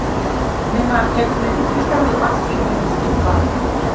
მე ვარ თერთმეტი წლის და მიყვარს წიგნების კითხვა.